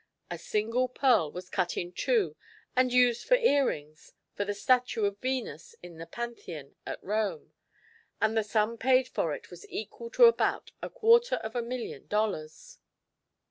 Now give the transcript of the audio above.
A single pearl was cut in two and used for earrings for the statue of Venus in the Pantheon at Rome, and the sum paid for it was equal to about a quarter of a million dollars.